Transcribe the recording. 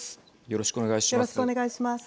よろしくお願いします。